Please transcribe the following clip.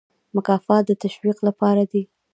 مکافات د تشویق لپاره دي